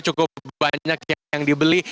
cukup banyak yang dibeli